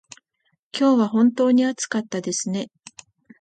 今日は本当に暑かったですね。